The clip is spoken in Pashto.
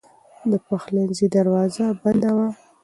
د پخلنځي دروازه بنده وه.